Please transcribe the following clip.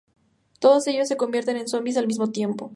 Todos ellos se convierten en zombies al mismo tiempo.